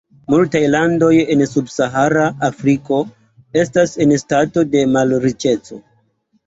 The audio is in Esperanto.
Multaj landoj el subsahara Afriko estas en stato de malriĉeco.